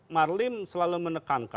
marlin selalu menekan